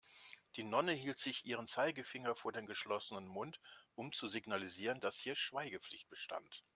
Die Nonne hielt sich ihren Zeigefinger vor den geschlossenen Mund, um zu signalisieren, dass hier Schweigepflicht bestand.